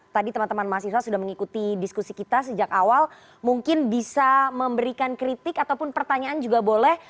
tadi teman teman mahasiswa sudah mengikuti diskusi kita sejak awal mungkin bisa memberikan kritik ataupun pertanyaan juga boleh